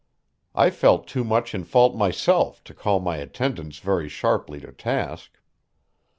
I felt too much in fault myself to call my attendants very sharply to task.